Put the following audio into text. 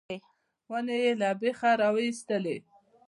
ونې یې له بېخه راویستلې.